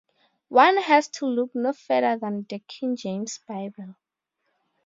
One has to look no further than the King James Bible.